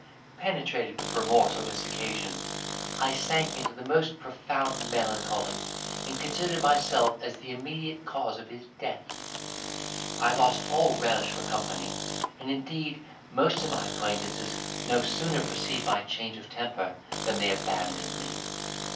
Penetrated with remorse on this occasion, I sank into the most profound melancholy, and considered myself as the immediate cause of his death. I lost all relish for company; and, indeed, most of my acquaintances no sooner perceived my change of temper, than they abandoned me.